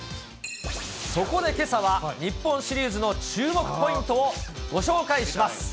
そこでけさは、日本シリーズの注目ポイントをご紹介します。